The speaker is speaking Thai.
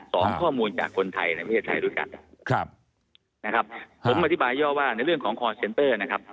สองข้อมูลจากคนไทยในประเทศไทยด้วยกันครับนะครับผมอธิบายย่อว่าในเรื่องของคอร์เซ็นเตอร์นะครับ